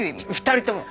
２人とも。